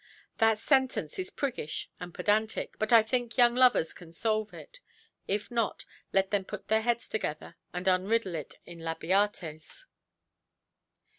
That sentence is priggish and pedantic, but I think young lovers can solve it; if not, let them put their heads together, and unriddle it in labiates.